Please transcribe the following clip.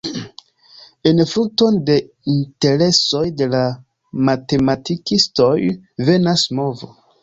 En frunton de interesoj de la matematikistoj venas movo.